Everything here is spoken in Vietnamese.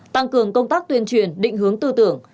tăng cường công tác tuyên truyền định hướng tư tưởng